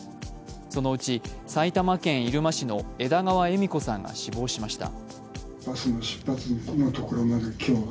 そのうち、埼玉県入間市の枝川恵美子さんが死亡しました。